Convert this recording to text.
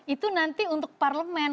itu nanti untuk parlemen